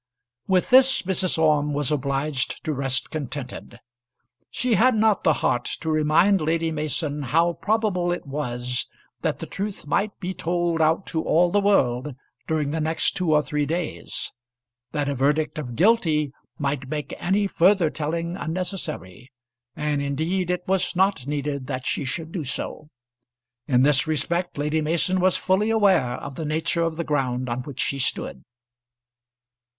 With this Mrs. Orme was obliged to rest contented. She had not the heart to remind Lady Mason how probable it was that the truth might be told out to all the world during the next two or three days; that a verdict of Guilty might make any further telling unnecessary. And indeed it was not needed that she should do so. In this respect Lady Mason was fully aware of the nature of the ground on which she stood.